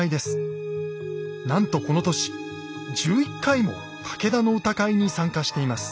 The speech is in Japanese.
なんとこの年１１回も武田の歌会に参加しています。